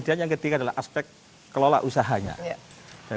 dengan untuk menghidupkan agroforestry apakah iniasi sebesar tantarn loya